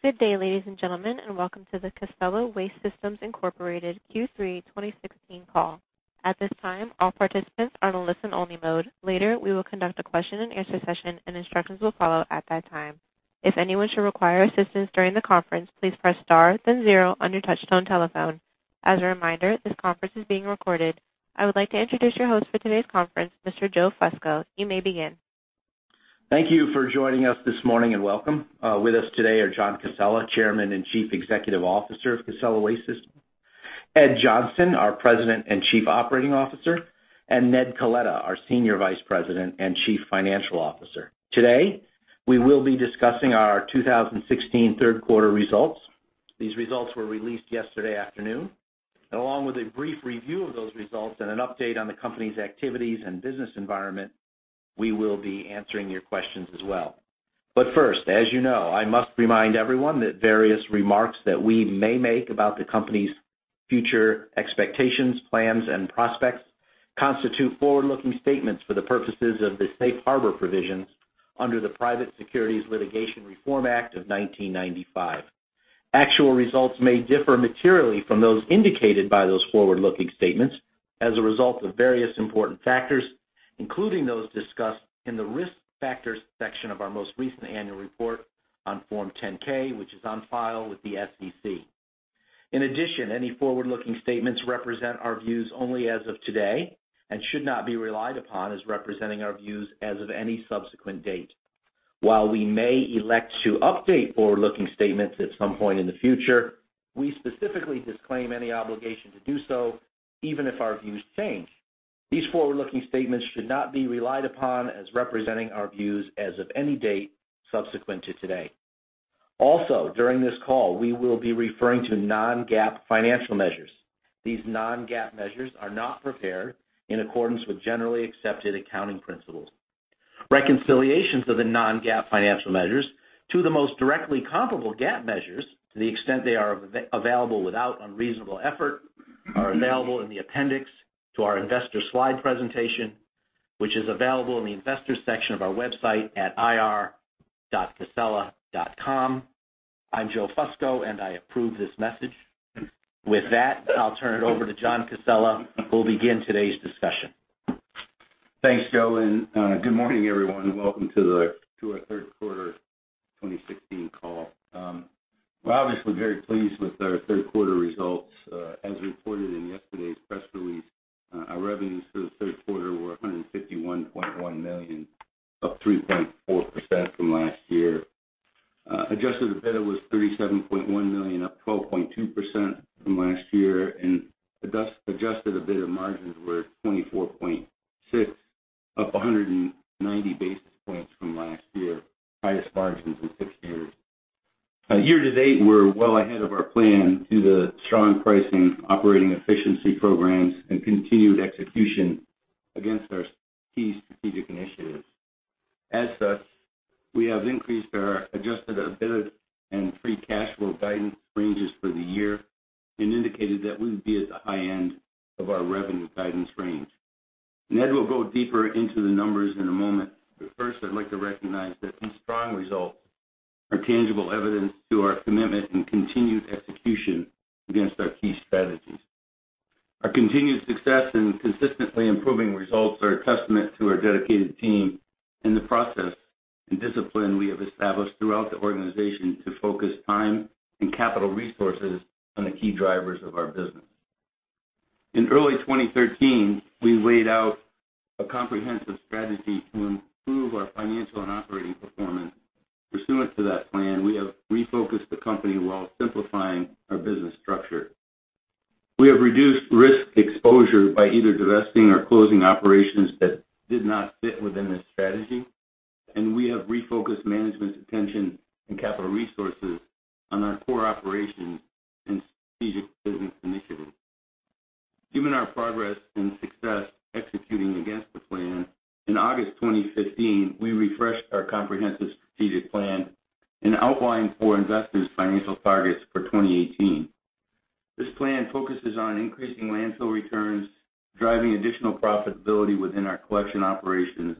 Good day, ladies and gentlemen, and welcome to the Casella Waste Systems Incorporated Q3 2016 call. At this time, all participants are in listen only mode. Later, we will conduct a question and answer session, and instructions will follow at that time. If anyone should require assistance during the conference, please press star then zero on your touch-tone telephone. As a reminder, this conference is being recorded. I would like to introduce your host for today's conference, Mr. Joe Fusco. You may begin. Thank you for joining us this morning, and welcome. With us today are John Casella, Chairman and Chief Executive Officer of Casella Waste Systems, Ed Johnson, our President and Chief Operating Officer, and Ned Coletta, our Senior Vice President and Chief Financial Officer. Today, we will be discussing our 2016 third quarter results. These results were released yesterday afternoon. Along with a brief review of those results and an update on the company's activities and business environment, we will be answering your questions as well. First, as you know, I must remind everyone that various remarks that we may make about the company's future expectations, plans, and prospects constitute forward-looking statements for the purposes of the safe harbor provisions under the Private Securities Litigation Reform Act of 1995. Actual results may differ materially from those indicated by those forward-looking statements as a result of various important factors, including those discussed in the Risk Factors section of our most recent annual report on Form 10-K, which is on file with the SEC. In addition, any forward-looking statements represent our views only as of today and should not be relied upon as representing our views as of any subsequent date. While we may elect to update forward-looking statements at some point in the future, we specifically disclaim any obligation to do so, even if our views change. These forward-looking statements should not be relied upon as representing our views as of any date subsequent to today. Also, during this call, we will be referring to non-GAAP financial measures. These non-GAAP measures are not prepared in accordance with generally accepted accounting principles. Reconciliations of the non-GAAP financial measures to the most directly comparable GAAP measures, to the extent they are available without unreasonable effort, are available in the appendix to our investor slide presentation, which is available in the Investors section of our website at ir.casella.com. I'm Joe Fusco, and I approve this message. With that, I'll turn it over to John Casella, who will begin today's discussion. Thanks, Joe, and good morning, everyone. Welcome to our third quarter 2016 call. We're obviously very pleased with our third quarter results. As reported in yesterday's press release, our revenues for the third quarter were $151.1 million, up 3.4% from last year. Adjusted EBITDA was $37.1 million, up 12.2% from last year, and Adjusted EBITDA margins were 24.6%, up 190 basis points from last year. Highest margins in six years. Year-to-date, we're well ahead of our plan due to the strong pricing, operating efficiency programs, and continued execution against our key strategic initiatives. As such, we have increased our Adjusted EBITDA and free cash flow guidance ranges for the year and indicated that we would be at the high end of our revenue guidance range. Ned will go deeper into the numbers in a moment. First, I'd like to recognize that these strong results are tangible evidence to our commitment and continued execution against our key strategies. Our continued success and consistently improving results are a testament to our dedicated team and the process and discipline we have established throughout the organization to focus time and capital resources on the key drivers of our business. In early 2013, we laid out a comprehensive strategy to improve our financial and operating performance. Pursuant to that plan, we have refocused the company while simplifying our business structure. We have reduced risk exposure by either divesting or closing operations that did not fit within the strategy. We have refocused management's attention and capital resources on our core operations and strategic business initiatives. Given our progress and success executing against the plan, in August 2015, we refreshed our comprehensive strategic plan and outlined for investors financial targets for 2018. This plan focuses on increasing landfill returns, driving additional profitability within our collection operations,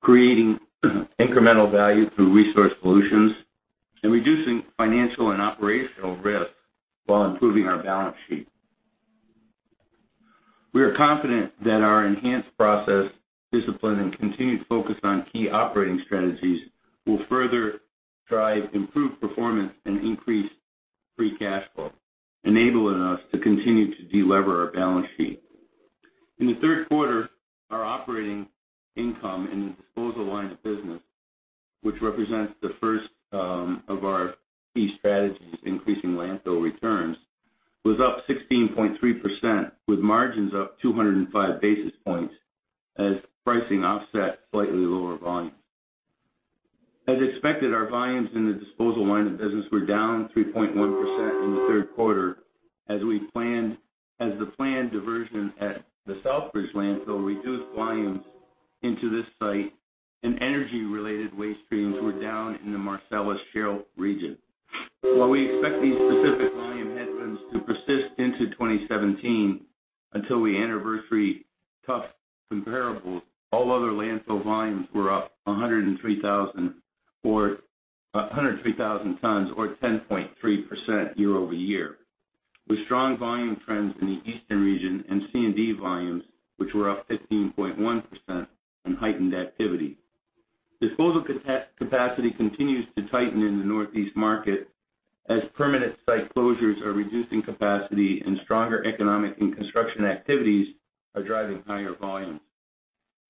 creating incremental value through resource solutions, and reducing financial and operational risk while improving our balance sheet. We are confident that our enhanced process discipline and continued focus on key operating strategies will further drive improved performance and increase free cash flow, enabling us to continue to de-lever our balance sheet. In the third quarter, our operating income in the disposal line of business, which represents the first of our key strategies, increasing landfill returns, was up 16.3%, with margins up 205 basis points as pricing offset slightly lower volumes. As expected, our volumes in the disposal line of business were down 3.1% in the third quarter as the planned diversion at the Southbridge landfill reduced volumes into this site and energy-related waste streams were down in the Marcellus Shale region. While we expect these specific volume headwinds to persist into 2017 until we anniversary tough comparables, all other landfill volumes were up 103,000 tons or 10.3% year-over-year, with strong volume trends in the eastern region and C&D volumes, which were up 15.1% on heightened activity. Disposal capacity continues to tighten in the Northeast market as permanent site closures are reducing capacity and stronger economic and construction activities are driving higher volumes.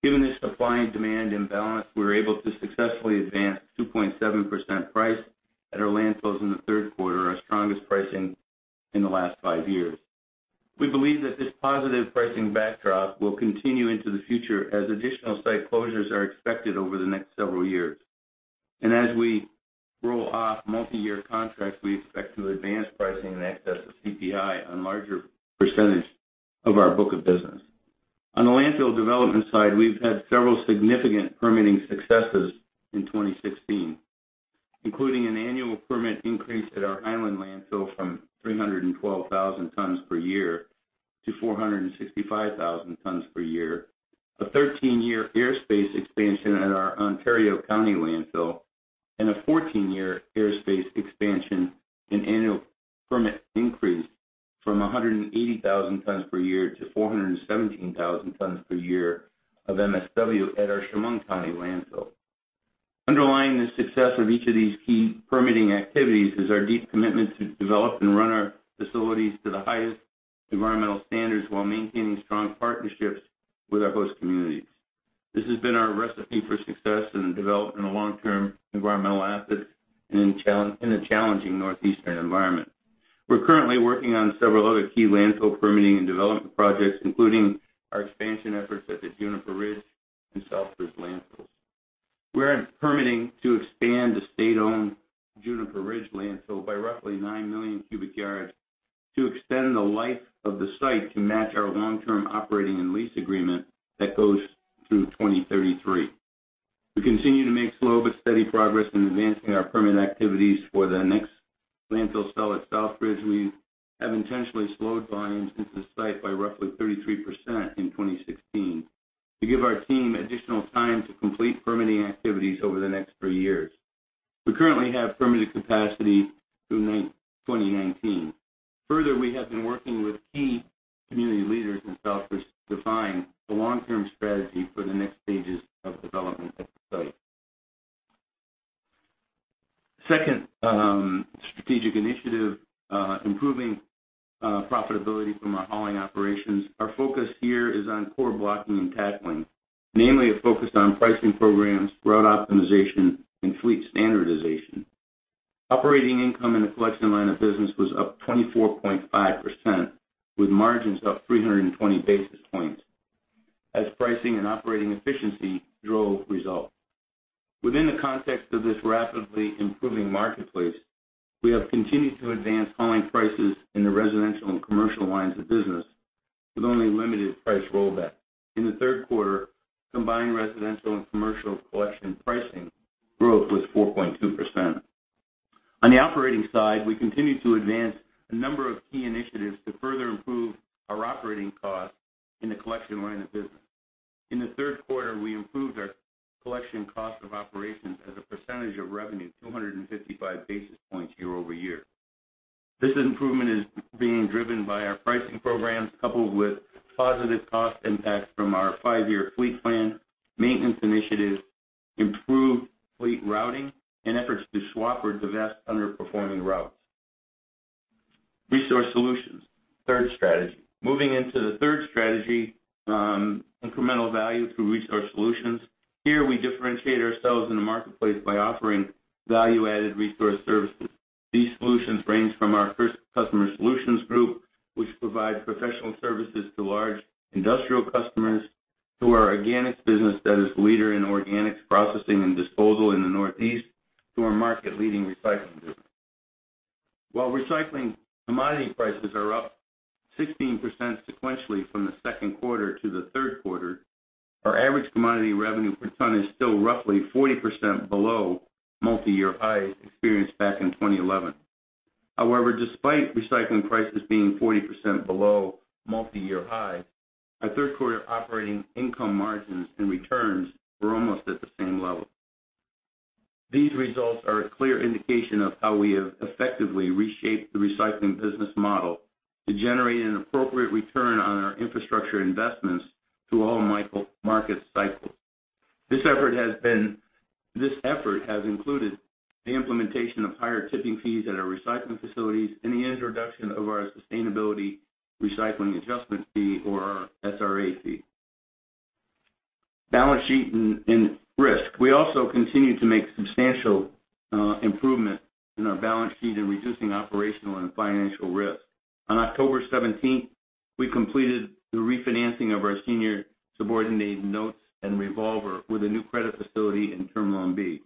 Given this supply and demand imbalance, we were able to successfully advance 2.7% price at our landfills in the third quarter, our strongest pricing in the last five years. We believe that this positive pricing backdrop will continue into the future as additional site closures are expected over the next several years. As we roll off multi-year contracts, we expect to advance pricing in excess of CPI on larger percentage of our book of business. On the landfill development side, we've had several significant permitting successes in 2016, including an annual permit increase at our Highland landfill from 312,000 tons per year to 465,000 tons per year, a 13-year airspace expansion at our Ontario County landfill, and a 14-year airspace expansion and annual permit increase from 180,000 tons per year to 417,000 tons per year of MSW at our Chemung County landfill. Underlying the success of each of these key permitting activities is our deep commitment to develop and run our facilities to the highest environmental standards while maintaining strong partnerships with our host communities. This has been our recipe for success in developing a long-term environmental asset in a challenging northeastern environment. We're currently working on several other key landfill permitting and development projects, including our expansion efforts at the Juniper Ridge and Southbridge landfills. We're permitting to expand the state-owned Juniper Ridge landfill by roughly 9 million cubic yards to extend the life of the site to match our long-term operating and lease agreement that goes through 2033. We continue to make slow but steady progress in advancing our permit activities for the next landfill cell at Southbridge. We have intentionally slowed volumes into the site by roughly 33% in 2016 to give our team additional time to complete permitting activities over the next three years. We currently have permitted capacity through 2019. Further, we have been working with key community leaders in Southbridge to define the long-term strategy for the next stages of development at the site. Second strategic initiative, improving profitability from our hauling operations. Our focus here is on core blocking and tackling. Namely, a focus on pricing programs, route optimization, and fleet standardization. Operating income in the collection line of business was up 24.5%, with margins up 320 basis points as pricing and operating efficiency drove results. Within the context of this rapidly improving marketplace, we have continued to advance hauling prices in the residential and commercial lines of business with only limited price rollbacks. In the third quarter, combined residential and commercial collection pricing growth was 4.2%. On the operating side, we continued to advance a number of key initiatives to further improve our operating costs in the collection line of business. In the third quarter, we improved our collection cost of operations as a percentage of revenue 255 basis points year-over-year. This improvement is being driven by our pricing programs, coupled with positive cost impacts from our five-year fleet plan, maintenance initiatives, improved fleet routing, and efforts to swap or divest underperforming routes. Resource solutions, third strategy. Moving into the third strategy, incremental value through resource solutions. Here we differentiate ourselves in the marketplace by offering value-added resource services. These solutions range from our First Customer Solutions Group, which provides professional services to large industrial customers, to our organics business that is leader in organics processing and disposal in the Northeast, to our market-leading recycling business. While recycling commodity prices are up 16% sequentially from the second quarter to the third quarter, our average commodity revenue per ton is still roughly 40% below multi-year highs experienced back in 2011. However, despite recycling prices being 40% below multi-year highs, our third quarter operating income margins and returns were almost at the same level. These results are a clear indication of how we have effectively reshaped the recycling business model to generate an appropriate return on our infrastructure investments through all market cycles. This effort has included the implementation of higher tipping fees at our recycling facilities and the introduction of our Sustainability/Recycling Adjustment fee or our SRA fee. Balance sheet and risk. We also continue to make substantial improvement in our balance sheet and reducing operational and financial risk. On October 17th, we completed the refinancing of our senior subordinated notes and revolver with a new credit facility and Term Loan B.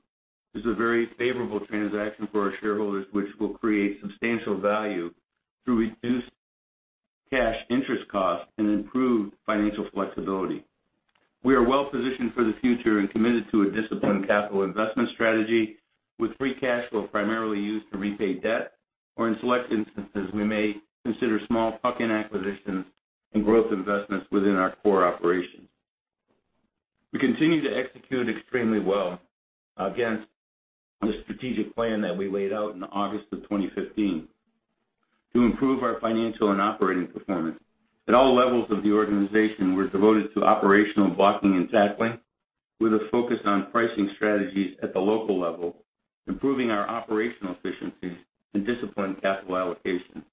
This is a very favorable transaction for our shareholders, which will create substantial value through reduced cash interest costs and improved financial flexibility. We are well-positioned for the future and committed to a disciplined capital investment strategy, with free cash flow primarily used to repay debt, or in select instances, we may consider small plug-in acquisitions and growth investments within our core operations. We continue to execute extremely well against the strategic plan that we laid out in August of 2015 to improve our financial and operating performance. At all levels of the organization, we're devoted to operational blocking and tackling with a focus on pricing strategies at the local level, improving our operational efficiency, and disciplined capital allocation.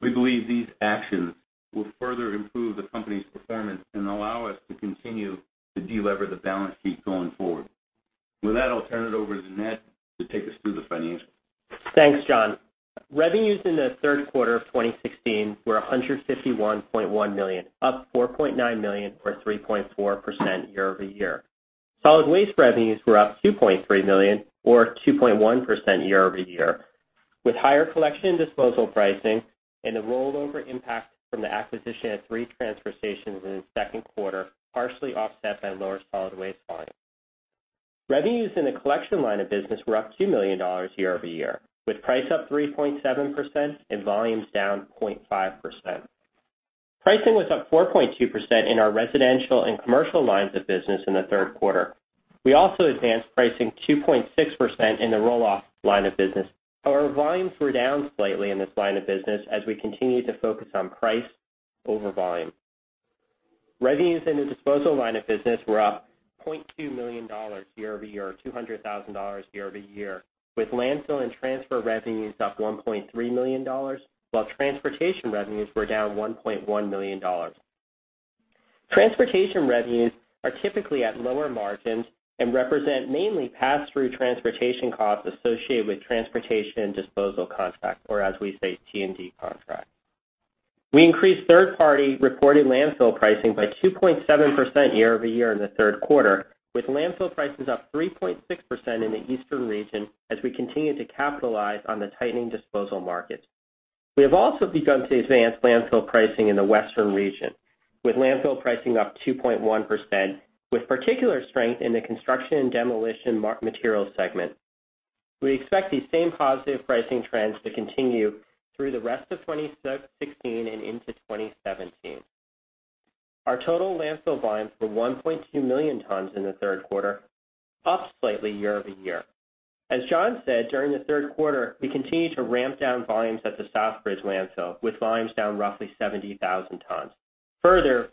We believe these actions will further improve the company's performance and allow us to continue to delever the balance sheet going forward. With that, I'll turn it over to Ned to take us through the financials. Thanks, John. Revenues in the third quarter of 2016 were $151.1 million, up $4.9 million or 3.4% year-over-year. Solid waste revenues were up $2.3 million or 2.1% year-over-year, with higher collection and disposal pricing and the rollover impact from the acquisition of three transfer stations in the second quarter, partially offset by lower solid waste volumes. Revenues in the collection line of business were up $2 million year-over-year, with price up 3.7% and volumes down 0.5%. Pricing was up 4.2% in our residential and commercial lines of business in the third quarter. We also advanced pricing 2.6% in the roll-off line of business. However, volumes were down slightly in this line of business as we continue to focus on price over volume. Revenues in the disposal line of business were up $0.2 million year-over-year or $200,000 year-over-year, with landfill and transfer revenues up $1.3 million, while transportation revenues were down $1.1 million. Transportation revenues are typically at lower margins and represent mainly pass-through transportation costs associated with transportation and disposal contracts, or as we say, T&D contracts. We increased third-party reported landfill pricing by 2.7% year-over-year in the third quarter, with landfill prices up 3.6% in the eastern region as we continue to capitalize on the tightening disposal market. We have also begun to advance landfill pricing in the western region, with landfill pricing up 2.1%, with particular strength in the construction and demolition material segment. We expect these same positive pricing trends to continue through the rest of 2016 and into 2017. Our total landfill volumes were 1.2 million tons in the third quarter, up slightly year-over-year. As John said, during the third quarter, we continued to ramp down volumes at the Southbridge landfill, with volumes down roughly 70,000 tons. Further,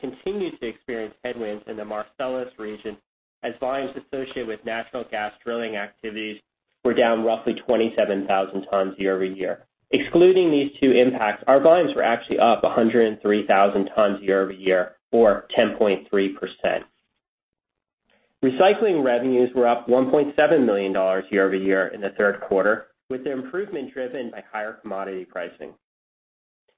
we continued to experience headwinds in the Marcellus region as volumes associated with natural gas drilling activities were down roughly 27,000 tons year-over-year. Excluding these two impacts, our volumes were actually up 103,000 tons year-over-year or 10.3%. Recycling revenues were up $1.7 million year-over-year in the third quarter, with the improvement driven by higher commodity pricing.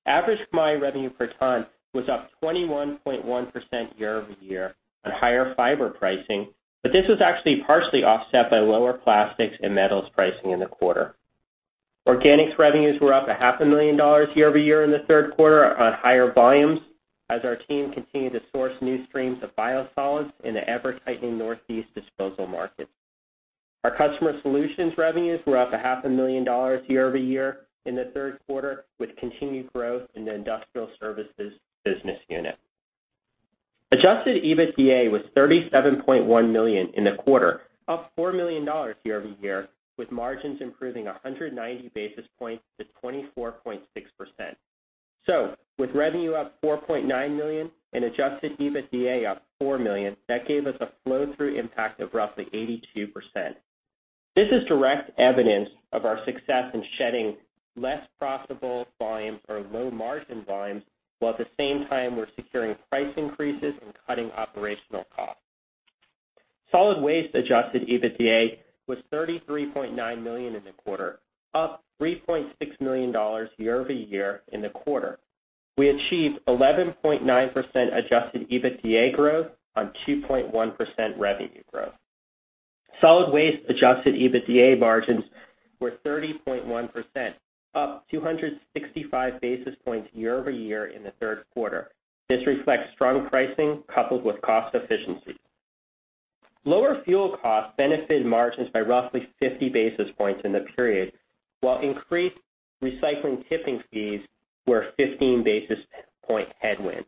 Average commodity revenue per ton was up 21.1% year-over-year on higher fiber pricing, but this was actually partially offset by lower plastics and metals pricing in the quarter. Organics revenues were up a half a million dollars year-over-year in the third quarter on higher volumes as our team continued to source new streams of biosolids in the ever-tightening Northeast disposal market. Our customer solutions revenues were up a half a million dollars year-over-year in the third quarter, with continued growth in the industrial services business unit. Adjusted EBITDA was $37.1 million in the quarter, up $4 million year-over-year, with margins improving 190 basis points to 24.6%. With revenue up $4.9 million and Adjusted EBITDA up $4 million, that gave us a flow-through impact of roughly 82%. This is direct evidence of our success in shedding less profitable volumes or low margin volumes, while at the same time we're securing price increases and cutting operational costs. Solid waste Adjusted EBITDA was $33.9 million in the quarter, up $3.6 million year-over-year in the quarter. We achieved 11.9% Adjusted EBITDA growth on 2.1% revenue growth. Solid waste Adjusted EBITDA margins were 30.1%, up 265 basis points year-over-year in the third quarter. This reflects strong pricing coupled with cost efficiency. Lower fuel costs benefited margins by roughly 50 basis points in the period, while increased recycling tipping fees were a 15-basis-point headwind.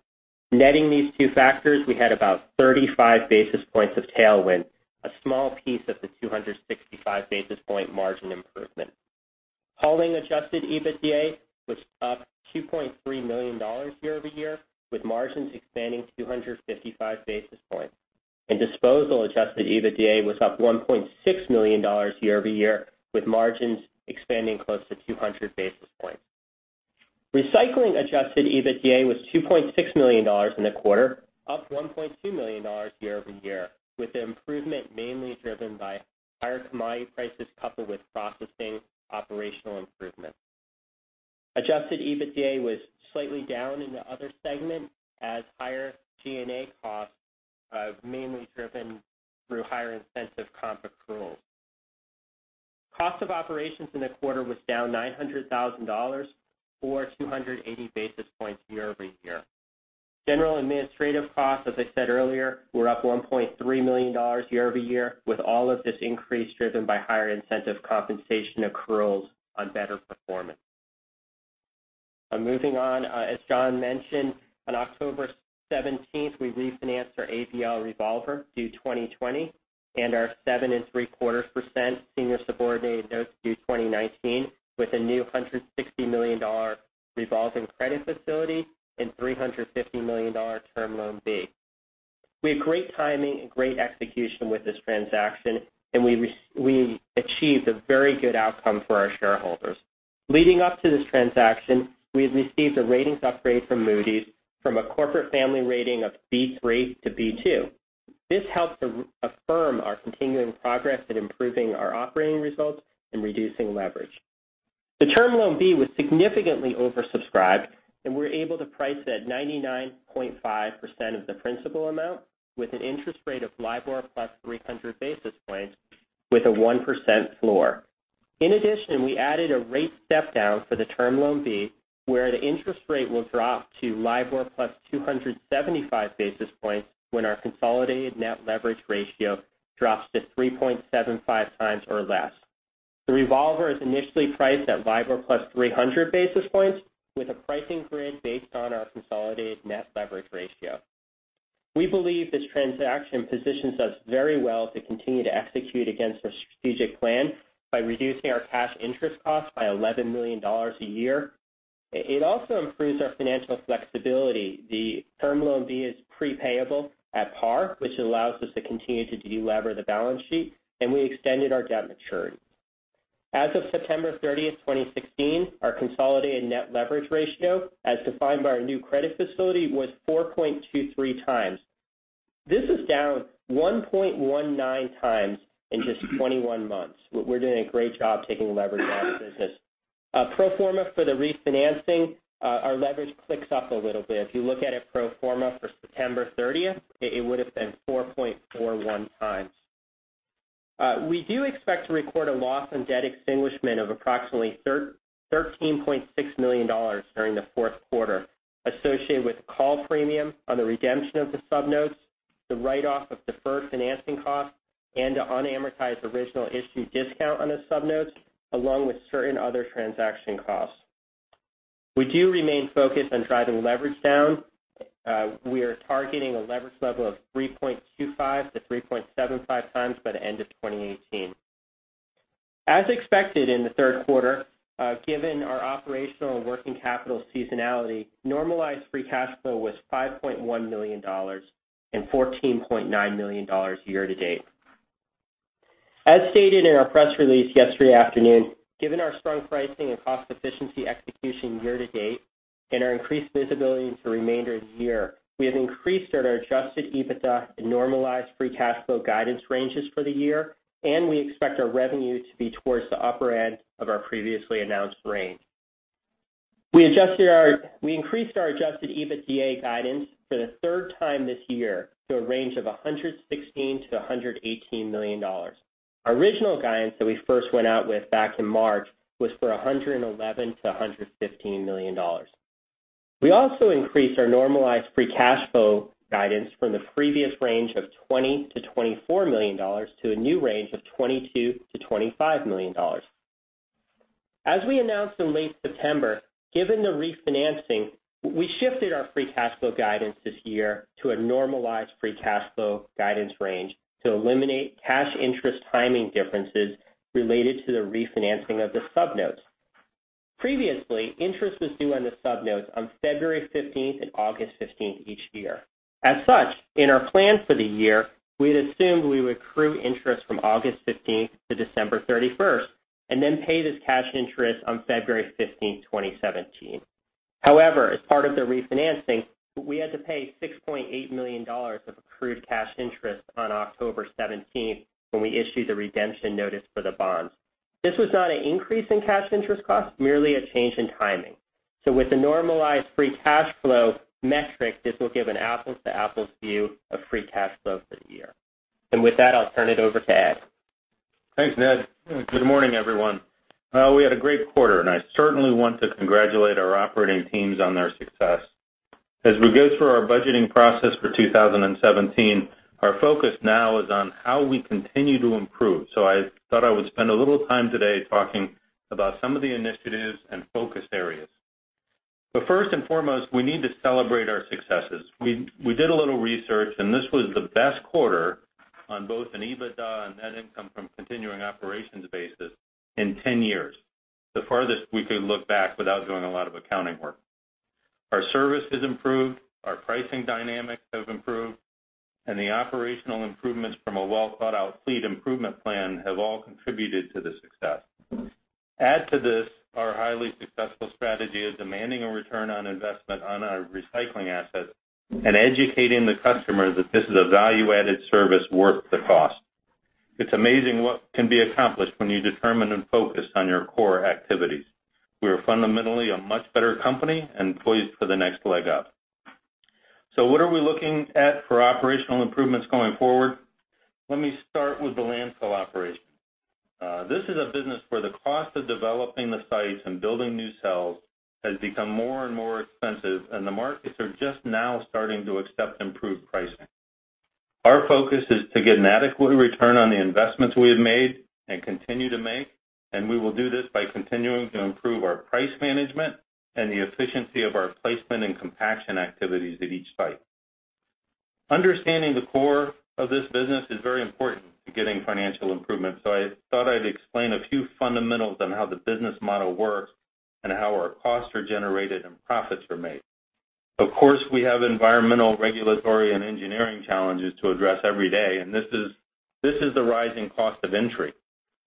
Netting these two factors, we had about 35 basis points of tailwind, a small piece of the 265-basis-point margin improvement. Hauling Adjusted EBITDA was up $2.3 million year-over-year, with margins expanding 255 basis points, and disposal Adjusted EBITDA was up $1.6 million year-over-year, with margins expanding close to 200 basis points. Recycling Adjusted EBITDA was $2.6 million in the quarter, up $1.2 million year-over-year, with the improvement mainly driven by higher commodity prices coupled with processing operational improvements. Adjusted EBITDA was slightly down in the other segment as higher G&A costs, mainly driven through higher incentive comp accruals. Cost of operations in the quarter was down $900,000, or 280 basis points year-over-year. General administrative costs, as I said earlier, were up $1.3 million year-over-year, with all of this increase driven by higher incentive compensation accruals on better performance. Moving on. As John mentioned, on October 17th, we refinanced our ABL revolver due 2020 and our 7.75% senior subordinated notes due 2019 with a new $160 million revolving credit facility and $350 million Term Loan B. We had great timing and great execution with this transaction, and we achieved a very good outcome for our shareholders. Leading up to this transaction, we had received a ratings upgrade from Moody's from a corporate family rating of B3 to B2. This helped to affirm our continuing progress at improving our operating results and reducing leverage. The Term Loan B was significantly oversubscribed, and we were able to price it at 99.5% of the principal amount with an interest rate of LIBOR plus 300 basis points with a 1% floor. In addition, we added a rate step-down for the Term Loan B, where the interest rate will drop to LIBOR plus 275 basis points when our consolidated net leverage ratio drops to 3.75 times or less. The revolver is initially priced at LIBOR plus 300 basis points with a pricing grid based on our consolidated net leverage ratio. We believe this transaction positions us very well to continue to execute against our strategic plan by reducing our cash interest costs by $11 million a year. It also improves our financial flexibility. The Term Loan B is pre-payable at par, which allows us to continue to delever the balance sheet, and we extended our debt maturity. As of September 30th, 2016, our consolidated net leverage ratio, as defined by our new credit facility, was 4.23 times. This is down 1.19 times in just 21 months. We're doing a great job taking leverage out of the business. Pro forma for the refinancing, our leverage ticks up a little bit. If you look at it pro forma for September 30th, it would've been 4.41 times. We do expect to record a loss on debt extinguishment of approximately $13.6 million during the fourth quarter associated with call premium on the redemption of the sub-notes, the write-off of deferred financing costs, and the unamortized original issue discount on the sub-notes, along with certain other transaction costs. We do remain focused on driving leverage down. We are targeting a leverage level of 3.25-3.75 times by the end of 2018. As expected in the third quarter, given our operational and working capital seasonality, normalized free cash flow was $5.1 million and $14.9 million year to date. As stated in our press release yesterday afternoon, given our strong pricing and cost efficiency execution year to date and our increased visibility into the remainder of the year, we have increased our Adjusted EBITDA and normalized free cash flow guidance ranges for the year, and we expect our revenue to be towards the upper end of our previously announced range. We increased our Adjusted EBITDA guidance for the third time this year to a range of $116 million-$118 million. Our original guidance that we first went out with back in March was for $111 million-$115 million. We also increased our normalized free cash flow guidance from the previous range of $20 million-$24 million to a new range of $22 million-$25 million. As we announced in late September, given the refinancing, we shifted our free cash flow guidance this year to a normalized free cash flow guidance range to eliminate cash interest timing differences related to the refinancing of the sub-notes. Previously, interest was due on the sub-notes on February 15th and August 15th each year. As such, in our plans for the year, we had assumed we would accrue interest from August 15th to December 31st and then pay this cash interest on February 15th, 2017. However, as part of the refinancing, we had to pay $6.8 million of accrued cash interest on October 17th when we issued the redemption notice for the bonds. This was not an increase in cash interest costs, merely a change in timing. With the normalized free cash flow metric, this will give an apples-to-apples view of free cash flow for the year. With that, I'll turn it over to Ed. Thanks, Ned. Good morning, everyone. We had a great quarter, and I certainly want to congratulate our operating teams on their success. As we go through our budgeting process for 2017, our focus now is on how we continue to improve. I thought I would spend a little time today talking about some of the initiatives and focus areas. First and foremost, we need to celebrate our successes. We did a little research, and this was the best quarter on both an EBITDA and net income from continuing operations basis in 10 years, the farthest we could look back without doing a lot of accounting work. Our service has improved, our pricing dynamics have improved, and the operational improvements from a well-thought-out fleet improvement plan have all contributed to the success. Add to this our highly successful strategy of demanding a return on investment on our recycling assets and educating the customer that this is a value-added service worth the cost. It's amazing what can be accomplished when you determine and focus on your core activities. We are fundamentally a much better company and poised for the next leg up. What are we looking at for operational improvements going forward? Let me start with the landfill operations. This is a business where the cost of developing the sites and building new cells has become more and more expensive, and the markets are just now starting to accept improved pricing. Our focus is to get an adequate return on the investments we have made and continue to make, and we will do this by continuing to improve our price management and the efficiency of our placement and compaction activities at each site. Understanding the core of this business is very important to getting financial improvements. I thought I'd explain a few fundamentals on how the business model works and how our costs are generated and profits are made. Of course, we have environmental, regulatory, and engineering challenges to address every day, and this is the rising cost of entry.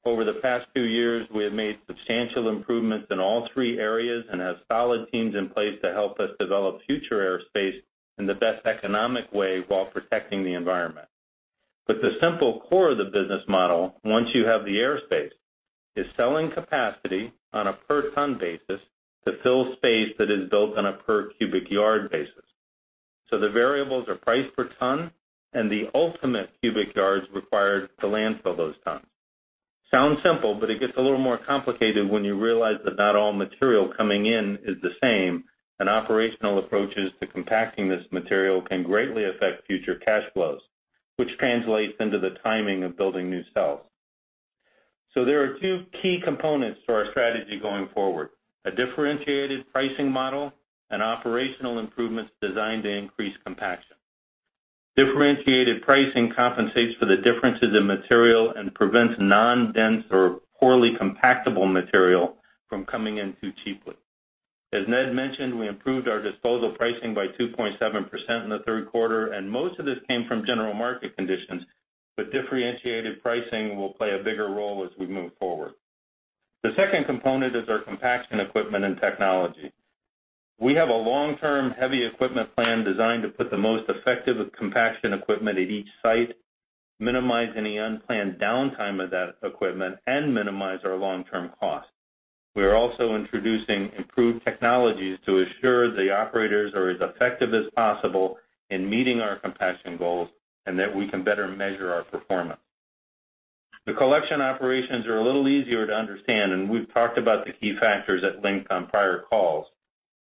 Over the past two years, we have made substantial improvements in all three areas and have solid teams in place to help us develop future airspace in the best economic way while protecting the environment. The simple core of the business model, once you have the airspace, is selling capacity on a per ton basis to fill space that is built on a per cubic yard basis. The variables are price per ton and the ultimate cubic yards required to landfill those tons. Sounds simple, but it gets a little more complicated when you realize that not all material coming in is the same, and operational approaches to compacting this material can greatly affect future cash flows, which translates into the timing of building new cells. There are two key components to our strategy going forward, a differentiated pricing model and operational improvements designed to increase compaction. Differentiated pricing compensates for the differences in material and prevents non-dense or poorly compactable material from coming in too cheaply. As Ned mentioned, we improved our disposal pricing by 2.7% in the third quarter, and most of this came from general market conditions. Differentiated pricing will play a bigger role as we move forward. The second component is our compaction equipment and technology. We have a long-term heavy equipment plan designed to put the most effective compaction equipment at each site, minimize any unplanned downtime of that equipment, and minimize our long-term costs. We are also introducing improved technologies to assure the operators are as effective as possible in meeting our compaction goals and that we can better measure our performance. The collection operations are a little easier to understand, and we've talked about the key factors at length on prior calls.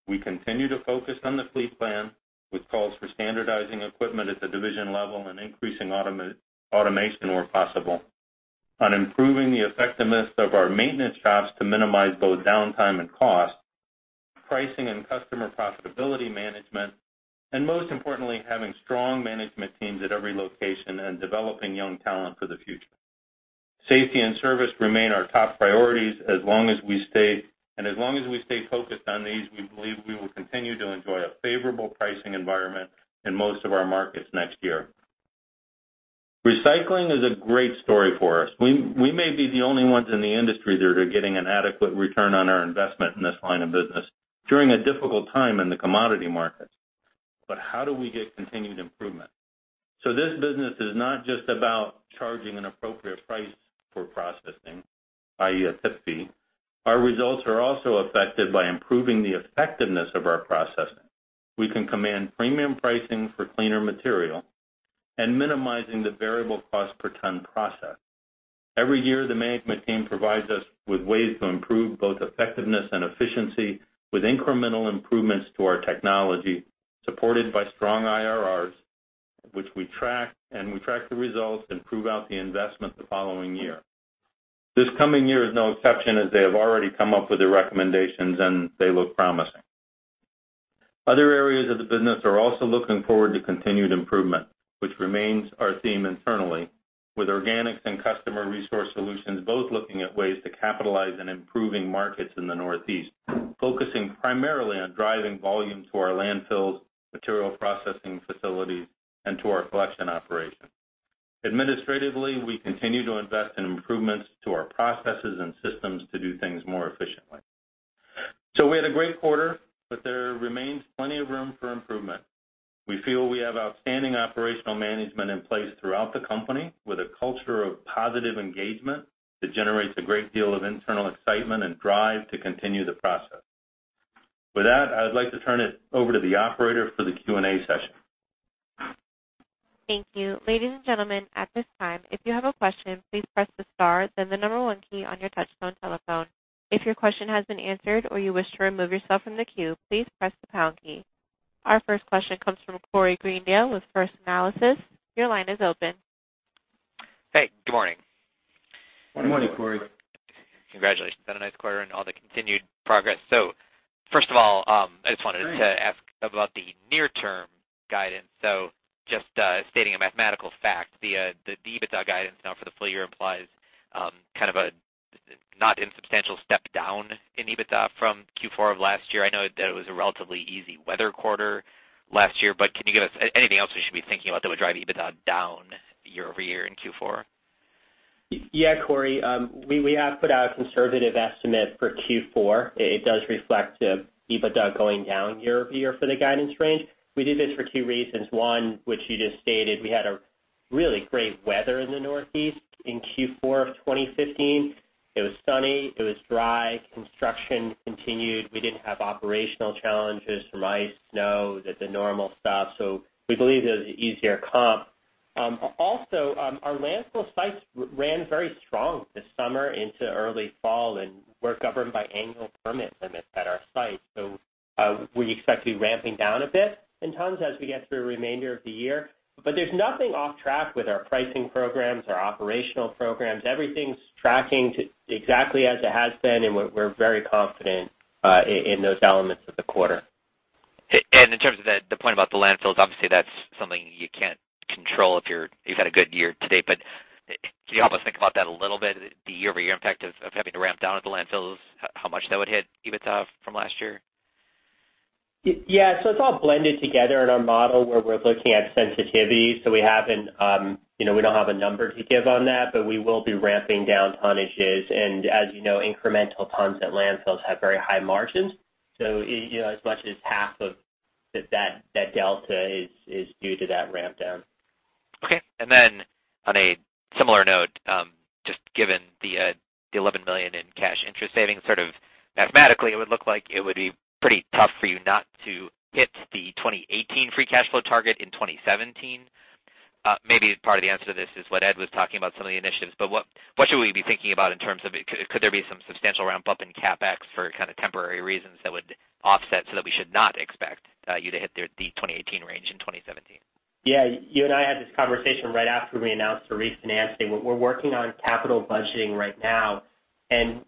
We continue to focus on the fleet plan with calls for standardizing equipment at the division level and increasing automation where possible, on improving the effectiveness of our maintenance shops to minimize both downtime and cost, pricing and customer profitability management, and most importantly, having strong management teams at every location and developing young talent for the future. Safety and service remain our top priorities. As long as we stay focused on these, we believe we will continue to enjoy a favorable pricing environment in most of our markets next year. Recycling is a great story for us. We may be the only ones in the industry that are getting an adequate return on our investment in this line of business during a difficult time in the commodity markets. How do we get continued improvement? This business is not just about charging an appropriate price for processing, i.e., a tip fee. Our results are also affected by improving the effectiveness of our processing. We can command premium pricing for cleaner material and minimizing the variable cost per ton processed. Every year, the management team provides us with ways to improve both effectiveness and efficiency with incremental improvements to our technology, supported by strong IRRs, which we track, and we track the results and prove out the investment the following year. This coming year is no exception, as they have already come up with the recommendations and they look promising. Other areas of the business are also looking forward to continued improvement, which remains our theme internally, with organics and customer resource solutions both looking at ways to capitalize on improving markets in the Northeast, focusing primarily on driving volume to our landfills, material processing facilities, and to our collection operations. Administratively, we continue to invest in improvements to our processes and systems to do things more efficiently. We had a great quarter, but there remains plenty of room for improvement. We feel we have outstanding operational management in place throughout the company, with a culture of positive engagement that generates a great deal of internal excitement and drive to continue the process. With that, I would like to turn it over to the operator for the Q&A session. Thank you. Ladies and gentlemen, at this time, if you have a question, please press the star then the number 1 key on your touchtone telephone. If your question has been answered or you wish to remove yourself from the queue, please press the pound key. Our first question comes from Corey Greendale with First Analysis. Your line is open. Hey, good morning. Good morning. Good morning, Corey. Congratulations on a nice quarter and all the continued progress. First of all, I just wanted to ask about the near-term guidance. Just stating a mathematical fact, the EBITDA guidance now for the full year implies kind of a not insubstantial step down in EBITDA from Q4 of last year. I know that it was a relatively easy weather quarter last year, but can you give us anything else we should be thinking about that would drive EBITDA down year-over-year in Q4? Yeah, Corey. We have put out a conservative estimate for Q4. It does reflect EBITDA going down year-over-year for the guidance range. We did this for two reasons. One, which you just stated, we had a really great weather in the Northeast in Q4 of 2015. It was sunny, it was dry. Construction continued. We didn't have operational challenges from ice, snow, the normal stuff. We believe it was an easier comp. Also, our landfill sites ran very strong this summer into early fall, and we're governed by annual permit limits at our sites. We expect to be ramping down a bit in tons as we get through the remainder of the year. There's nothing off-track with our pricing programs, our operational programs. Everything's tracking exactly as it has been, and we're very confident in those elements of the quarter. In terms of the point about the landfills, obviously, that's something you can't control if you've had a good year to date. Can you help us think about that a little bit, the year-over-year impact of having to ramp down at the landfills, how much that would hit EBITDA from last year? Yeah. It's all blended together in our model where we're looking at sensitivity. We don't have a number to give on that, but we will be ramping down tonnages. As you know, incremental tons at landfills have very high margins. As much as half of that delta is due to that ramp down. Okay. On a similar note, just given the $11 million in cash interest savings, sort of mathematically, it would look like it would be pretty tough for you not to hit the 2018 free cash flow target in 2017. Maybe part of the answer to this is what Ed was talking about, some of the initiatives, but what should we be thinking about in terms of could there be some substantial ramp-up in CapEx for kind of temporary reasons that would offset so that we should not expect you to hit the 2018 range in 2017? Yeah. You and I had this conversation right after we announced the refinancing. We're working on capital budgeting right now.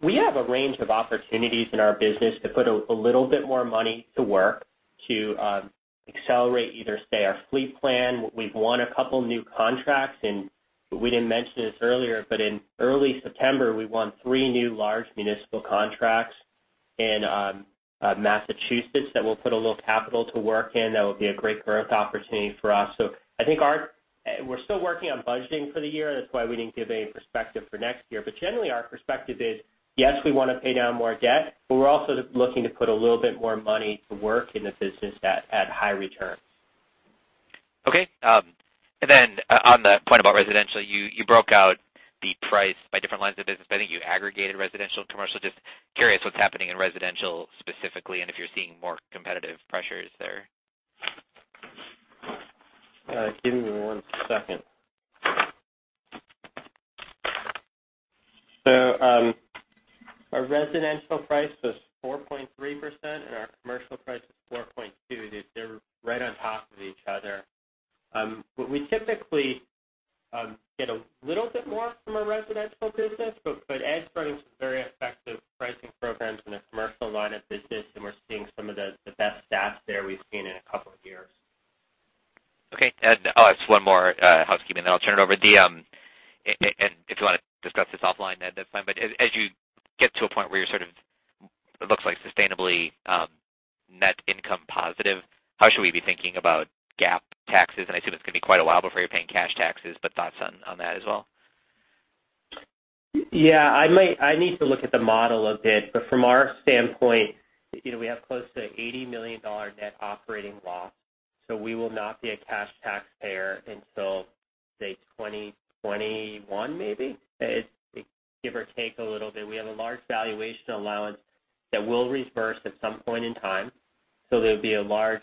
We have a range of opportunities in our business to put a little bit more money to work to accelerate either, say, our fleet plan. We've won a couple of new contracts. We didn't mention this earlier, but in early September, we won three new large municipal contracts in Massachusetts that will put a little capital to work in. That will be a great growth opportunity for us. I think we're still working on budgeting for the year. That's why we didn't give any perspective for next year. Generally, our perspective is, yes, we want to pay down more debt, but we're also looking to put a little bit more money to work in the business at high returns. Okay. On the point about residential, you broke out the price by different lines of business, but I think you aggregated residential and commercial. Just curious what's happening in residential specifically and if you're seeing more competitive pressures there. Give me one second. Our residential price was 4.3%, and our commercial price was 4.2%. They're right on top of each other. We typically get a little bit more from our residential business, but Ed's running some very effective pricing programs in the commercial line of business, and we're seeing some of the best stats there we've seen in a couple of years. Okay. Ed, I'll ask one more housekeeping, I'll turn it over. If you want to discuss this offline, that's fine. As you get to a point where you're sort of, it looks like sustainably net income positive, how should we be thinking about GAAP taxes? I assume it's going to be quite a while before you're paying cash taxes, but thoughts on that as well. Yeah. I need to look at the model a bit, from our standpoint, we have close to $80 million net operating loss, we will not be a cash taxpayer until, say, 2021, maybe. Give or take a little bit. We have a large valuation allowance that will reverse at some point in time. There'll be a large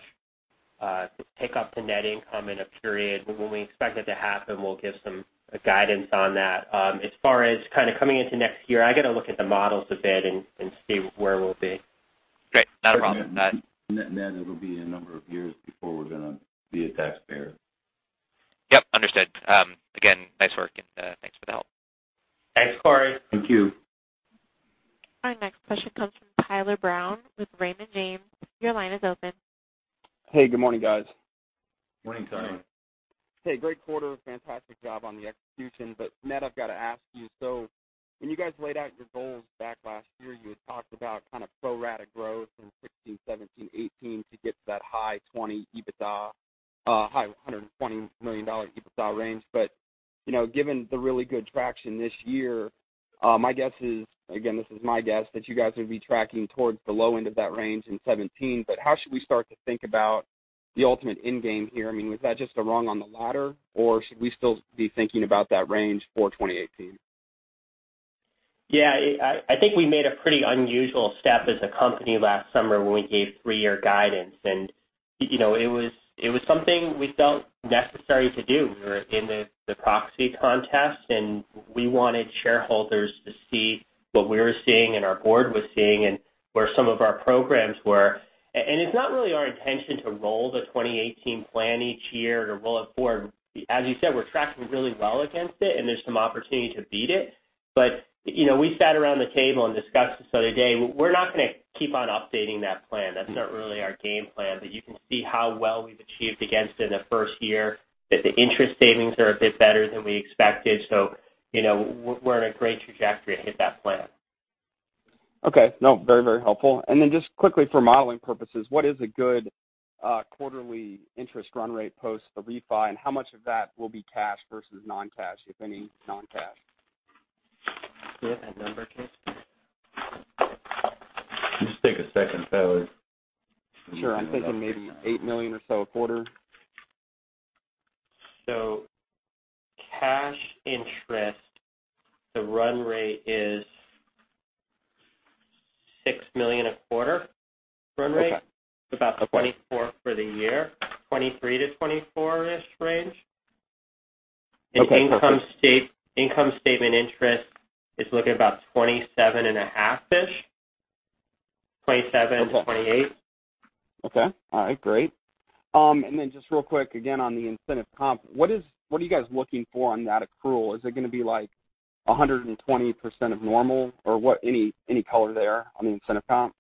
tick-up to net income in a period. When we expect it to happen, we'll give some guidance on that. As far as kind of coming into next year, I've got to look at the models a bit and see where we'll be. Great. Not a problem. Ned, it'll be a number of years before we're going to be a taxpayer. Yep, understood. Again, nice work, thanks for the help. Thanks, Corey. Thank you. Our next question comes from Tyler Brown with Raymond James. Your line is open. Hey, good morning, guys. Morning, Tyler. Morning. Hey, great quarter. Fantastic job on the execution. Ned, I've got to ask you, when you guys laid out your goals back last year, you had talked about kind of pro rata growth in 2016, 2017, 2018 to get to that high $120 million EBITDA range. Given the really good traction this year, my guess is, again, this is my guess, that you guys would be tracking towards the low end of that range in 2017. How should we start to think about the ultimate end game here? I mean, was that just a rung on the ladder, or should we still be thinking about that range for 2018? Yeah, I think we made a pretty unusual step as a company last summer when we gave 3-year guidance, and it was something we felt necessary to do. We were in the proxy contest, and we wanted shareholders to see what we were seeing and our board was seeing and where some of our programs were. It's not really our intention to roll the 2018 plan each year to roll it forward. As you said, we're tracking really well against it, and there's some opportunity to beat it. We sat around the table and discussed this the other day. We're not going to keep on updating that plan. That's not really our game plan. You can see how well we've achieved against it in the first year, that the interest savings are a bit better than we expected. We're in a great trajectory to hit that plan. Okay. No, very helpful. Just quickly for modeling purposes, what is a good quarterly interest run rate post the refi, and how much of that will be cash versus non-cash, if any non-cash? Do you have that number, Casey? Take a second, Tyler. Sure. I'm thinking maybe $8 million or so a quarter. Cash interest, the run rate is $6 million a quarter run rate. Okay. About $24 for the year, $23 to $24-ish range. Okay. Income statement interest is looking about $27 and a half-ish, $27-$28. Okay. All right, great. Just real quick, again, on the incentive comp, what are you guys looking for on that accrual? Is it going to be like 120% of normal? Any color there on the incentive comp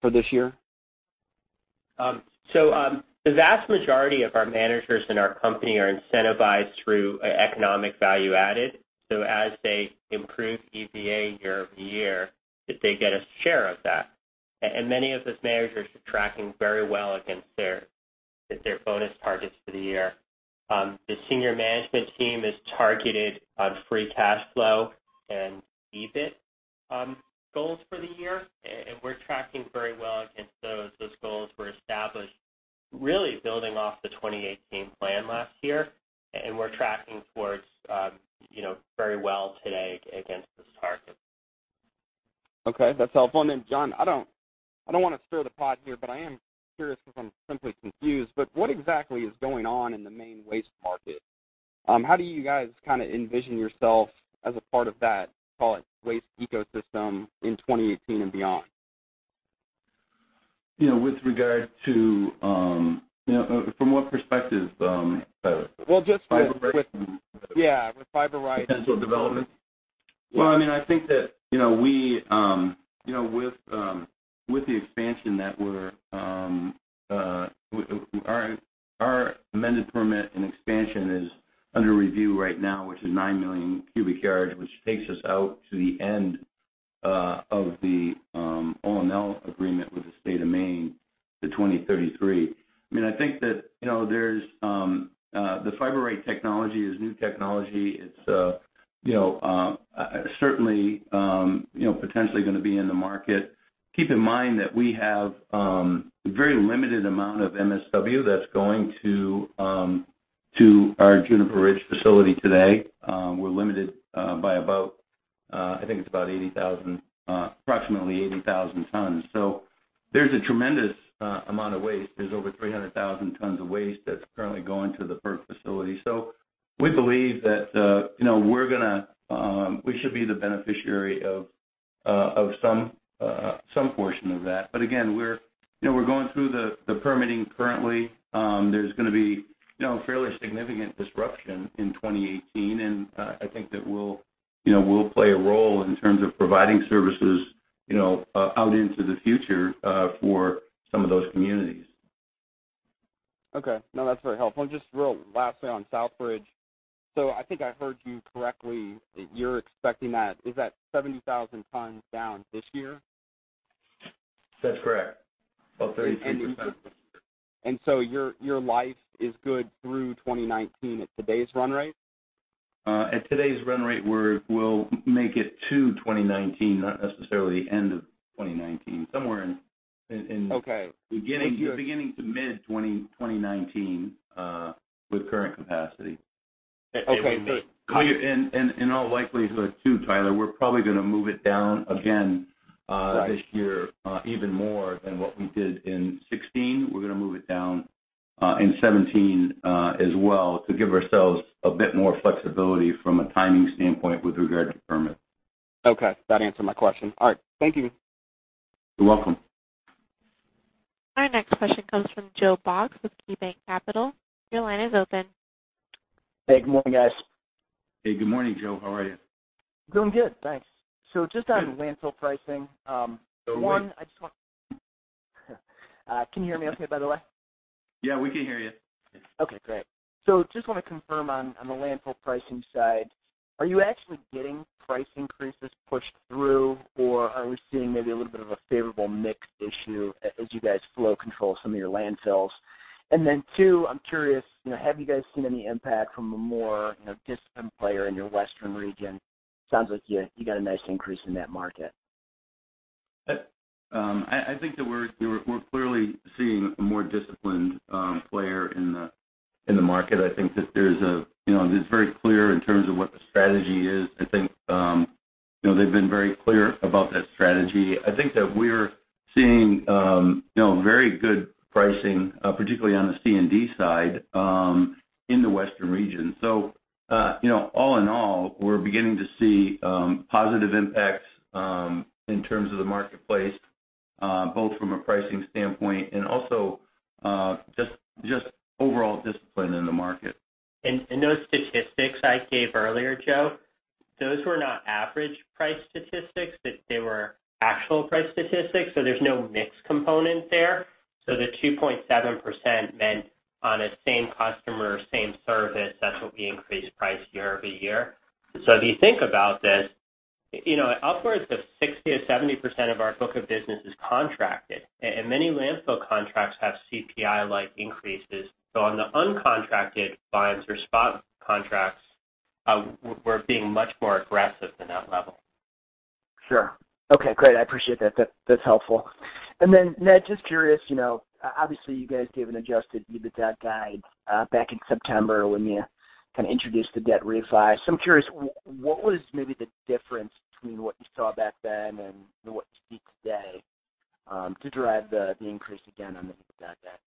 for this year? The vast majority of our managers in our company are incentivized through economic value added. As they improve EVA year-over-year, they get a share of that. Many of those managers are tracking very well against their bonus targets for the year. The senior management team is targeted on free cash flow and EBIT goals for the year, we're tracking very well against those. Those goals were established really building off the 2018 plan last year, we're tracking very well today against those targets. Okay, that's helpful. John, I don't want to stir the pot here, but I am curious because I'm simply confused, what exactly is going on in the Maine waste market? How do you guys envision yourself as a part of that, call it, waste ecosystem in 2018 and beyond? From what perspective, Tyler? Well, just. Fiberight? Yeah, with Fiberight. Potential development? Well, I think that with the expansion that Our amended permit and expansion is under review right now, which is 9 million cubic yards, which takes us out to the end of the O&M agreement with the state of Maine to 2033. I think that the Fiberight technology is new technology. It's certainly, potentially going to be in the market. Keep in mind that we have a very limited amount of MSW that's going to our Juniper Ridge facility today. We're limited by about, I think it's approximately 80,000 tons. There's a tremendous amount of waste. There's over 300,000 tons of waste that's currently going to the PERC facility. We believe that we should be the beneficiary of some portion of that. Again, we're going through the permitting currently. There's going to be a fairly significant disruption in 2018, and I think that we'll play a role in terms of providing services out into the future for some of those communities. Okay. No, that's very helpful. Just real lastly on Southbridge. I think I heard you correctly, that you're expecting that, is that 70,000 tons down this year? That's correct. About 33%. Your life is good through 2019 at today's run rate? At today's run rate, we'll make it to 2019, not necessarily end of 2019, somewhere. Okay beginning to mid 2019 with current capacity. Okay. In all likelihood too, Tyler, we're probably going to move it down again this year, even more than what we did in 2016. We're going to move it down in 2017 as well, to give ourselves a bit more flexibility from a timing standpoint with regard to permit. Okay. That answered my question. All right. Thank you. You're welcome. Our next question comes from Joe Box with KeyBanc Capital. Your line is open. Hey, good morning, guys. Hey, good morning, Joe. How are you? Doing good, thanks. Just Good landfill pricing. One, Can you hear me okay, by the way? Yeah, we can hear you. Okay, great. Just want to confirm on the landfill pricing side, are you actually getting price increases pushed through, or are we seeing maybe a little bit of a favorable mix issue as you guys flow control some of your landfills? Two, I'm curious, have you guys seen any impact from a more disciplined player in your Western region? Sounds like you got a nice increase in that market. I think that we're clearly seeing a more disciplined player in the market. I think that it's very clear in terms of what the strategy is. I think they've been very clear about that strategy. I think that we're seeing very good pricing, particularly on the C&D side, in the Western region. All in all, we're beginning to see positive impacts in terms of the marketplace, both from a pricing standpoint and also just overall discipline in the market. Those statistics I gave earlier, Joe, those were not average price statistics, they were actual price statistics, there's no mix component there. The 2.7% meant on a same customer, same service, that's what we increased price year-over-year. If you think about this, upwards of 60% or 70% of our book of business is contracted, and many landfill contracts have CPI-like increases. On the uncontracted volumes or spot contracts We're being much more aggressive than that level. Sure. Okay, great. I appreciate that. That's helpful. Ned, just curious, obviously, you guys gave an Adjusted EBITDA guide back in September when you introduced the debt refis. I'm curious, what was maybe the difference between what you saw back then and what you see today to drive the increase again on the EBITDA debt?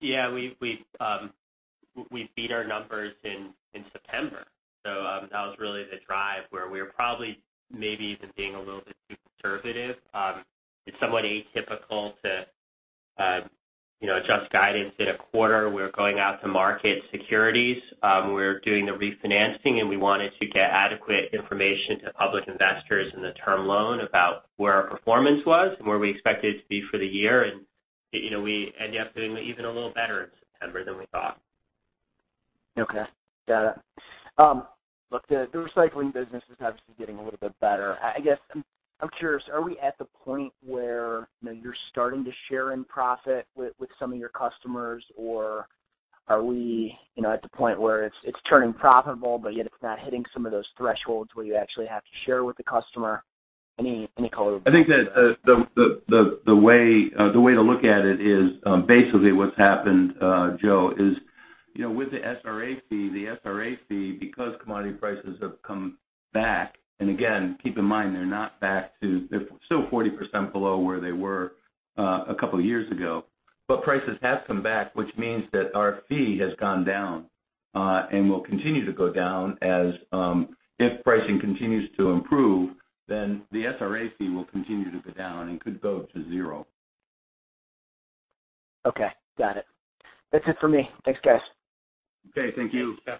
Yeah, we beat our numbers in September. That was really the drive where we were probably maybe even being a little bit too conservative. It's somewhat atypical to adjust guidance in a quarter. We're going out to market securities. We're doing the refinancing, and we wanted to get adequate information to public investors in the term loan about where our performance was and where we expect it to be for the year. We end up doing even a little better in September than we thought. Okay. Got it. Look, the recycling business is obviously getting a little bit better. I guess, I'm curious, are we at the point where you're starting to share in profit with some of your customers, or are we at the point where it's turning profitable, but yet it's not hitting some of those thresholds where you actually have to share with the customer? Any color? I think that the way to look at it is, basically what's happened, Joe, is with the SRA fee, the SRA fee, because commodity prices have come back, and again, keep in mind, they're still 40% below where they were a couple of years ago. Prices have come back, which means that our fee has gone down, and will continue to go down as if pricing continues to improve, then the SRA fee will continue to go down and could go to zero. Okay. Got it. That's it for me. Thanks, guys. Okay, thank you. Yeah.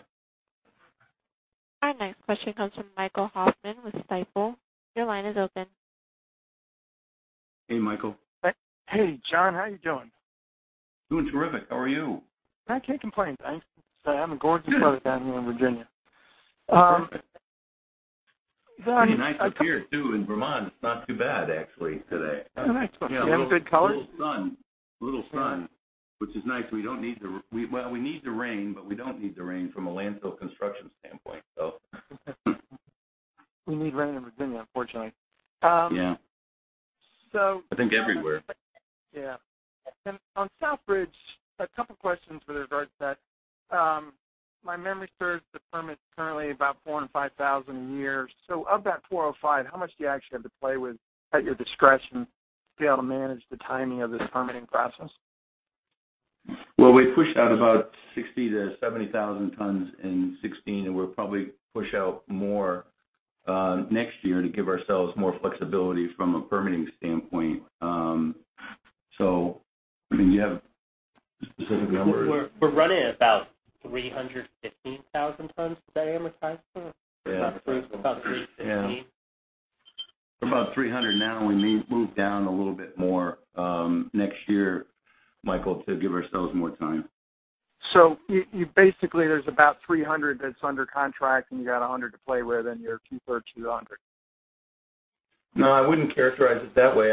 Our next question comes from Michael Hoffman with Stifel. Your line is open. Hey, Michael. Hey, John. How are you doing? Doing terrific. How are you? I can't complain. I have gorgeous weather down here in Virginia. Perfect. Pretty nice up here, too, in Vermont. It's not too bad, actually, today. Oh, nice. You having good colors? A little sun, which is nice. Well, we need the rain, but we don't need the rain from a landfill construction standpoint. We need rain in Virginia, unfortunately. Yeah. So- I think everywhere Yeah. On Southbridge, a couple questions with regards that. If my memory serves, the permit's currently about 405,000 a year. Of that 405, how much do you actually have to play with at your discretion to be able to manage the timing of this permitting process? Well, we pushed out about 60,000-70,000 tons in 2016. We'll probably push out more next year to give ourselves more flexibility from a permitting standpoint. Do you have specific numbers? We're running about 315,000 tons today, amortized for? Yeah. About 315. Yeah. We're about 300 now, we may move down a little bit more next year, Michael, to give ourselves more time. Basically, there's about 300 that's under contract, you got 100 to play with, you're keeping 200. I wouldn't characterize it that way.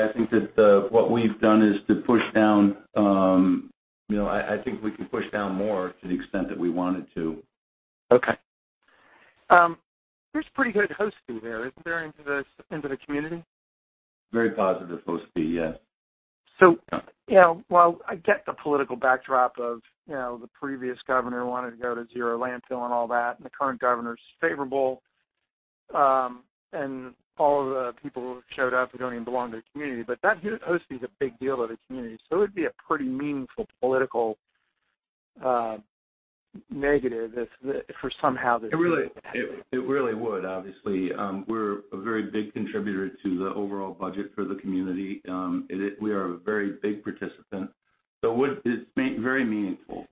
I think we can push down more to the extent that we wanted to. There's pretty good hosting there, isn't there, into the community? Very positive hosting, yes. While I get the political backdrop of the previous governor wanted to go to zero landfill and all that, and the current governor's favorable, and all of the people who showed up who don't even belong to the community, but that hosting is a big deal to the community. It'd be a pretty meaningful political negative if for somehow this. It really would, obviously. We're a very big contributor to the overall budget for the community. We are a very big participant. It's very meaningful.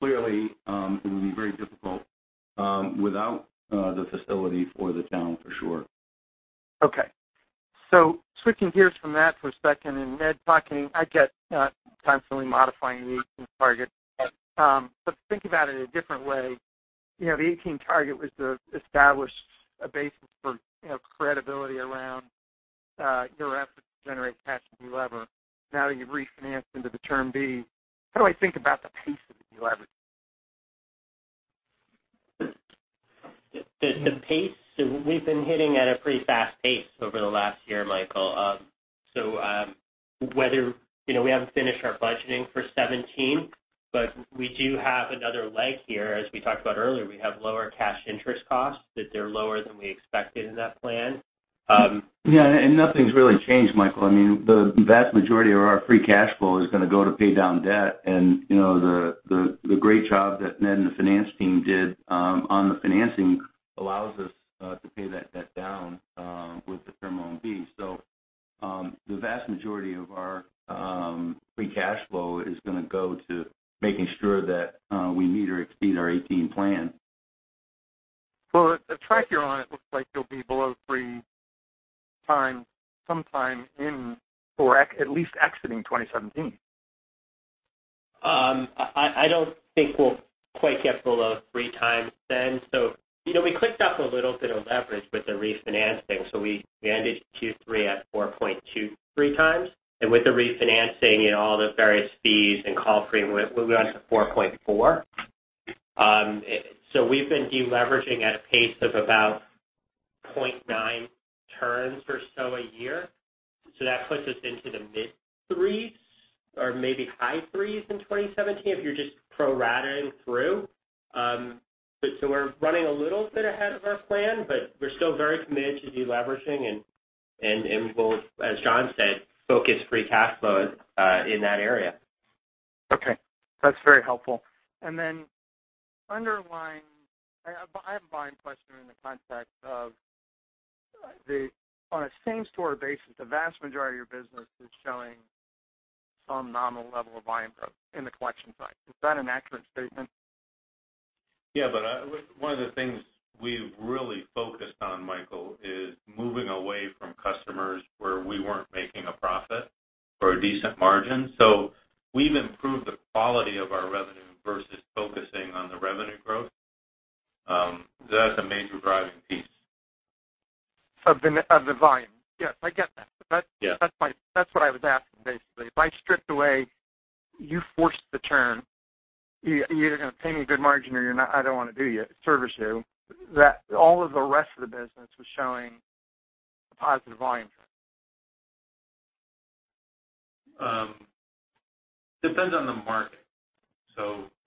Clearly, it would be very difficult without the facility for the town, for sure. Okay. Switching gears from that for a second, Ned, talking, I get constantly modifying the 2018 target. Think about it a different way. The 2018 target was to establish a basis for credibility around your efforts to generate cash and delever. Now that you've refinanced into the Term Loan B, how do I think about the pace of the deleverage? The pace, we've been hitting at a pretty fast pace over the last year, Michael. We haven't finished our budgeting for 2017, but we do have another leg here. As we talked about earlier, we have lower cash interest costs that they're lower than we expected in that plan. Yeah, nothing's really changed, Michael. The vast majority of our free cash flow is going to go to pay down debt, and the great job that Ned and the finance team did on the financing allows us to pay that debt down with the Term Loan B. The vast majority of our free cash flow is going to go to making sure that we meet or exceed our 2018 plan. Well, the track you're on, it looks like you'll be below 3x sometime in, or at least exiting 2017. I don't think we'll quite get below 3x. We clicked up a little bit of leverage with the refinancing. We ended Q3 at 4.23x. With the refinancing and all the various fees and call premium, we went to 4.4x. We've been deleveraging at a pace of about 0.9 turns or so a year. That puts us into the mid-threes or maybe high threes in 2017 if you're just pro-rata-ing through. We're running a little bit ahead of our plan, but we're still very committed to de-leveraging, and we will, as John said, focus free cash flow in that area. Okay. That's very helpful. Underlying I have a volume question in the context of, on a same-store basis, the vast majority of your business is showing some nominal level of volume growth in the collection side. Is that an accurate statement? Yeah, one of the things we've really focused on, Michael, is moving away from customers where we weren't making a profit or a decent margin. We've improved the quality of our revenue versus focusing on the revenue growth. That's a major driving piece. Of the volume. Yes, I get that. Yeah. That's what I was asking, basically. If I stripped away, you forced the turn, you're going to pay me a good margin or I don't want to do your service you. All of the rest of the business was showing a positive volume trend. Depends on the market.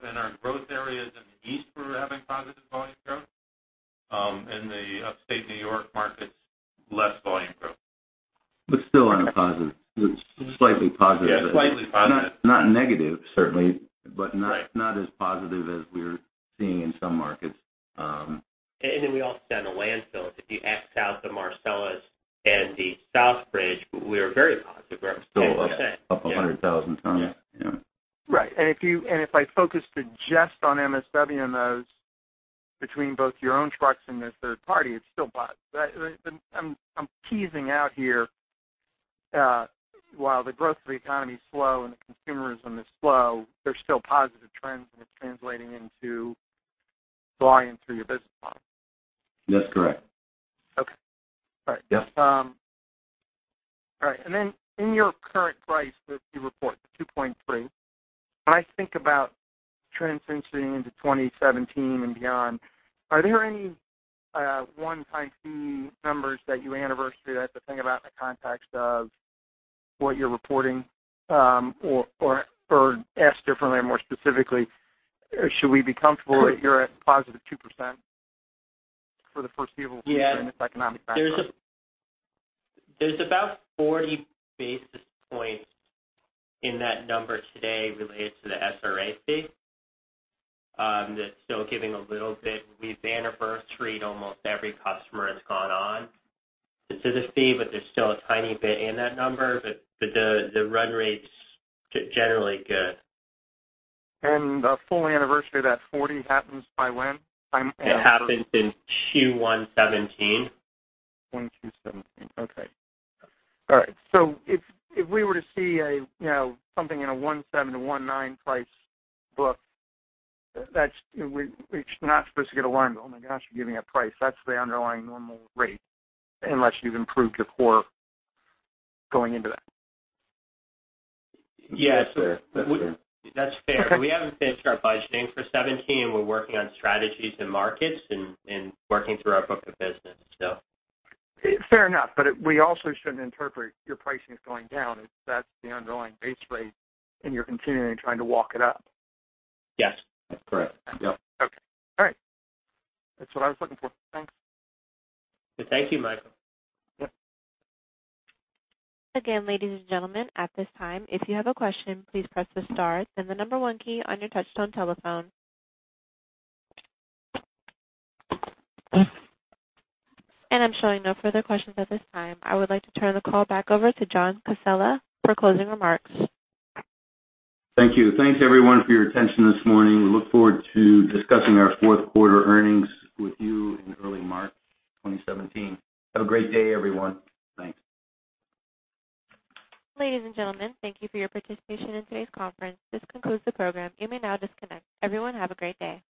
In our growth areas in the east, we're having positive volume growth. In the Upstate New York markets, less volume growth. Still on a positive, slightly positive- Yeah, slightly positive. not negative, certainly. Right not as positive as we're seeing in some markets. We also said the landfills, if you X out the Marcellus and the Southbridge, we are very positive. We're up 10%. Still up 100,000 tons. Yeah. Right. If I focus just on [MSWMOs], between both your own trucks and the third party, it's still positive. I'm teasing out here, while the growth of the economy is slow and the consumerism is slow, there's still positive trends and it's translating into volume through your business model. That's correct. Okay. All right. Yeah. All right. In your current price that you report, the 2.3%, when I think about trends entering into 2017 and beyond, are there any one-time fee numbers that you anniversary that to think about in the context of what you're reporting? Or asked differently or more specifically, should we be comfortable that you're at positive 2% for the foreseeable future in this economic backdrop? There's about 40 basis points in that number today related to the SRA fee, that's still giving a little bit. We've anniversaried almost every customer that's gone on to the fee, but there's still a tiny bit in that number. The run rate's generally good. The full anniversary of that 40 happens by when? It happens in Q1 2017. If we were to see something in a 1.7-1.9 price book, we're not supposed to get alarmed. "Oh my gosh, you're giving out price." That's the underlying normal rate, unless you've improved your core going into that. Yes. That's fair. That's fair. Okay. We haven't finished our budgeting for 2017. We're working on strategies and markets and working through our book of business. Fair enough. We also shouldn't interpret your pricing is going down, if that's the underlying base rate and you're continually trying to walk it up. Yes. That's correct. Yep. Okay. All right. That's what I was looking for. Thanks. Thank you, Michael. Yep. Again, ladies and gentlemen, at this time, if you have a question, please press the star then the number one key on your touchtone telephone. I'm showing no further questions at this time. I would like to turn the call back over to John Casella for closing remarks. Thank you. Thanks, everyone, for your attention this morning. We look forward to discussing our fourth quarter earnings with you in early March 2017. Have a great day, everyone. Thanks. Ladies and gentlemen, thank you for your participation in today's conference. This concludes the program. You may now disconnect. Everyone, have a great day.